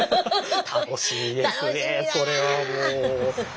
楽しみですね